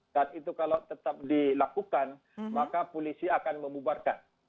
dan itu kalau tetap dilakukan maka polisi akan memubarkan